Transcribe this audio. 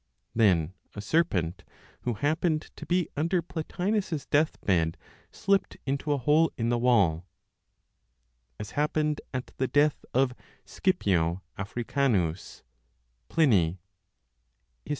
Then a serpent, who happened to be under Plotinos's death bed slipped into a hole in the wall (as happened at the death of Scipio Africanus, Pliny, Hist.